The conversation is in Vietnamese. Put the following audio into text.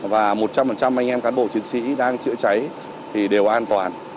và một trăm linh anh em cán bộ chiến sĩ đang chữa cháy thì đều an toàn